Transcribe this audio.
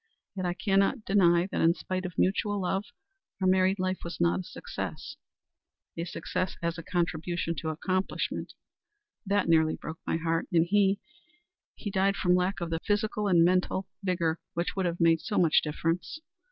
Yet I cannot deny that in spite of mutual love our married life was not a success a success as a contribution to accomplishment. That nearly broke my heart, and he he died from lack of the physical and mental vigor which would have made so much difference.